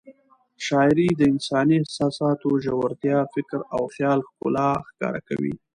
شاعري د انساني احساساتو ژورتیا، فکر او خیال ښکلا ښکاره کوي.